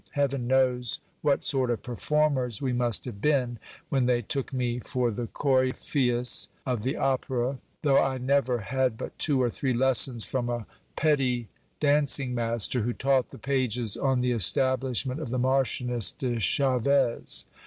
Heaven knows what sort of performers we must have been, when they took me for the cory phaeus of the opera, though I never had but two or three lessons from a petty dancing master, who taught the pages on the establishment of the Marchioness de Chaves.